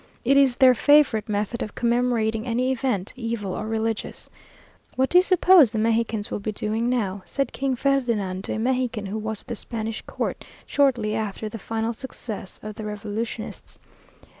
It is their favourite method of commemorating any event, evil or religious. "What do you suppose the Mexicans will be doing now?" said King Ferdinand to a Mexican who was at the Spanish court, shortly after the final success of the Revolutionists.